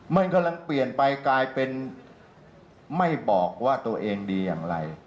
มันกำลังเปลี่ยนไปกลายเป็นไม่บอกว่าตัวเองดีอย่างไร